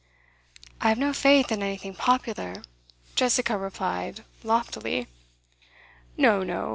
'I have no faith in anything popular,' Jessica replied loftily. 'No, no.